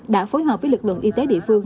đã phối hợp với lực lượng y tế địa phương